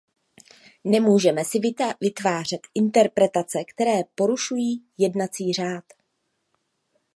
Nemůžeme si vytvářet interpretace, které porušují jednací řád.